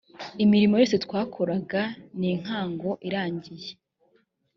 imirimo yose twakoraga ninkago irangiye